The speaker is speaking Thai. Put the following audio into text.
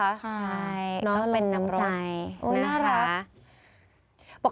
ใช่น้องเป็นน้ำใจนะค่ะเป็นน้ำใจโอ๊ยน่ารัก